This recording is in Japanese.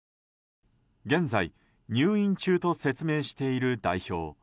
現在、入院中と説明している代表。